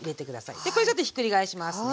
でこれちょっとひっくり返しますね。